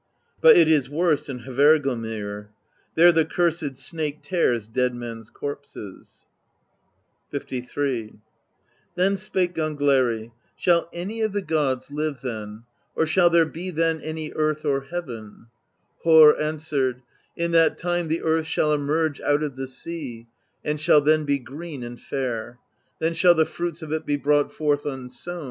But it is worst in Hvergelmir: There the cursed snake tears dead men's corpses." LIII. Then spake Gangleri: "Shall any of the gods live ^ Strand of the Dead. THE BEGUILING OF GYLFI 83 then, or shall there be then any earth or heaven?" Harr answered: "In that time the earth shall emerge out of the sea, and shall then be green and fair; then shall the fruits of it be brought forth unsown.